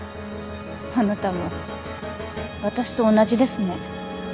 あなたも私と同じですね